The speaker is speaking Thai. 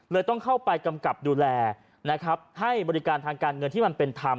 ต้องเข้าไปกำกับดูแลนะครับให้บริการทางการเงินที่มันเป็นธรรม